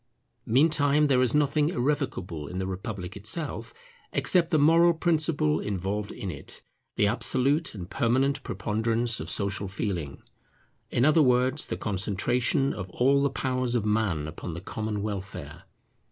Meantime there is nothing irrevocable in the republic itself, except the moral principle involved in it, the absolute and permanent preponderance of Social Feeling; in other words, the concentration of all the powers of Man upon the common welfare.